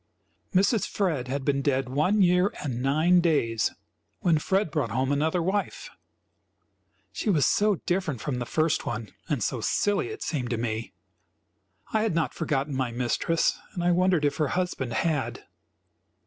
Mrs. Fred had been dead one year and nine days when Fred brought home another wife. She was so different from the first one, and so silly, it seemed to me. I had not forgotten my mistress and I wondered if her husband had.